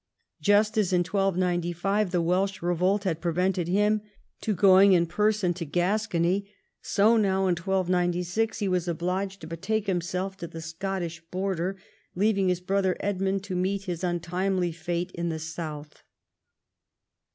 Just as in 1295 the Welsh revolt had prevented him to going in person to Gascony, so now in 129G he was obliged to betake himself to the Scottish border, leaving his brother Edmund to meet his untimely fate in the south.